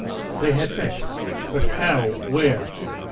They had met but how? where?